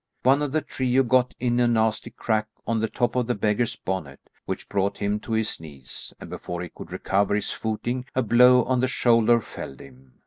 One of the trio got in a nasty crack on the top of the beggar's bonnet, which brought him to his knees, and before he could recover his footing, a blow on the shoulder felled him.